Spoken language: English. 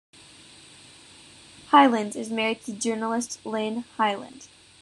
Hyland is married to journalist Lynne Hyland.